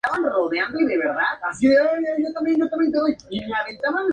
Los medios de comunicación hicieron eco de esto.